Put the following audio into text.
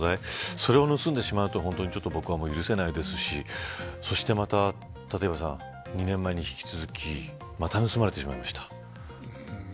それを盗んでしまうのは僕は許せないですしそして、また立岩さん２年前に引き続きまた盗まれてしまいました。